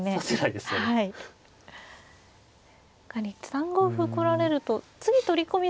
３五歩来られると次取り込み